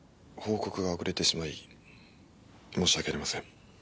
報告が遅れてしまい申し訳ありません。